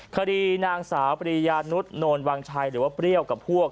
คดีนางสาวปริยานุษย์โนนวังชัยหรือว่าเปรี้ยวกับพวก